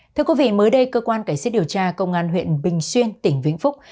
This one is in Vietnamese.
thưa quý vị mới đây cơ quan cảnh sát điều tra công an huyện bình xuyên tỉnh vĩnh phúc